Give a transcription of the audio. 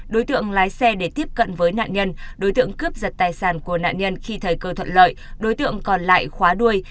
đối tượng lái xe để tiếp cận với nạn nhân đối tượng cướp giật tài sản của nạn nhân khi thời cơ thuận lợi đối tượng còn lại khóa đuôi